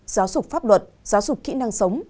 giáo dục pháp luật giáo dục kỹ năng sống